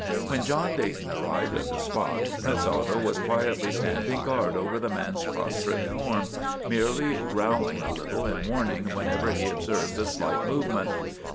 When John Dayton arrived at the spot Prince Otto was quietly standing guard over the man's prostrate form, merely growling a little in warning whenever he observed a slight movement.